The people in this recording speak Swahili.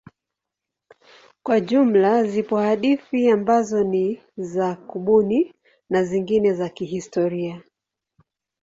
Kwa jumla zipo hadithi ambazo ni za kubuni na zingine za kihistoria.